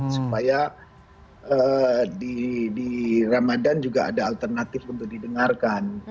supaya di ramadan juga ada alternatif untuk didengarkan